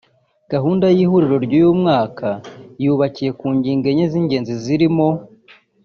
Gahunda y’ihuriro ry’uyu mwaka yubakiye ku ngingo enye z’ingengi zirimo